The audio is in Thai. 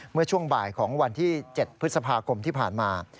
เมื่อช่วงบ่ายของวันที่๗พฤษภาคมที่ผ่านมา